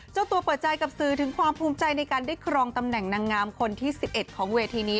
เจ้าตัวเปิดใจกับสื่อถึงความภูมิใจในการได้ครองตำแหน่งนางงามคนที่๑๑ของเวทีนี้